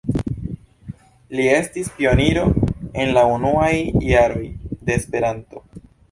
Li estis pioniro el la unuaj jaroj de Esperanto.